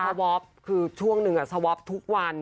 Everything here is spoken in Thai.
วอปคือช่วงหนึ่งสวอปทุกวัน